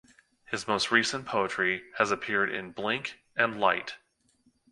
His most recent poetry has appeared in "Blink" and "Light".